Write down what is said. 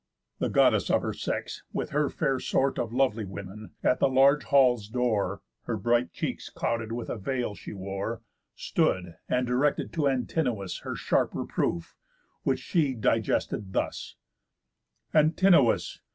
The Goddess of her sex, with her fair sort Of lovely women, at the large hall's door (Her bright cheeks clouded with a veil she wore) Stood, and directed to Antinous Her sharp reproof, which she digested thus: "Antinous!